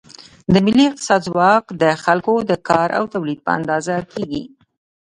د ملي اقتصاد ځواک د خلکو د کار او تولید په اندازه کېږي.